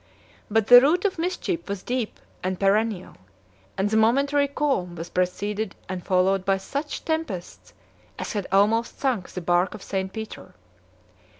But the root of mischief was deep and perennial; and a momentary calm was preceded and followed by such tempests as had almost sunk the bark of St. Peter.